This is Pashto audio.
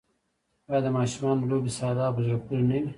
آیا د ماشومانو لوبې ساده او په زړه پورې نه وي؟